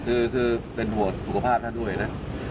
ใช่คือเป็นรวดสุขภาพท่านด้วยนะ